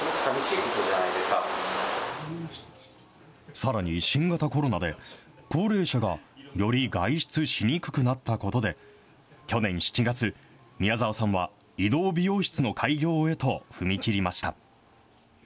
さらに、新型コロナで高齢者がより外出しにくくなったことで、去年７月、宮澤さんは移動美容室の開業へと踏み切りました。